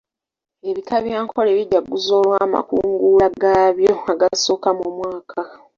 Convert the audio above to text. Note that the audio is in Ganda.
Ebika bya Ankole bijaguza olw'amakungula gaabyo agasooka mu mwaka.